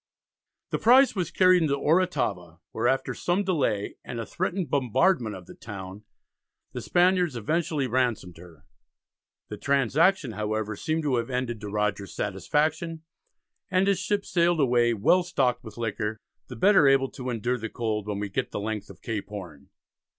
The prize was carried into Oratava, where after some delay, and a threatened bombardment of the town, the Spaniards eventually ransomed her. The transaction, however, seemed to have ended to Rogers's satisfaction, and his ships sailed away "well stocked with liquor, the better able to endure the cold when we get the length of Cape Horn."